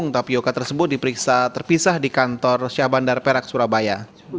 tapioca tersebut diperiksa terpisah di kantor syah bandar perak surabaya